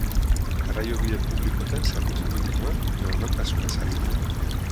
Garraio-bide publikoetan zerbitzu minimoak normaltasunez ari dira lanean.